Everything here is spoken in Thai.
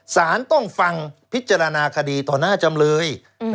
สารต้องฟังพิจารณาคดีต่อหน้าจำเลย